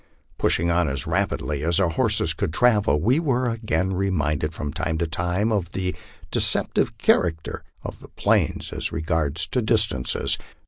Pushing on as rapidly as our horses could travel, we were again re minded from time to time of the deceptive character of the plains as regards distances.